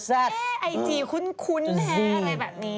ตอนนี้รู้จริง